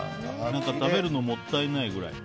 食べるのもったいないぐらい。